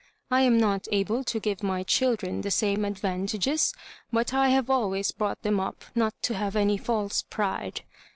I am not able to give my children the same advan tages, but I have always brought them up not to have any false pride.